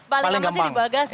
paling laman sih di bagasi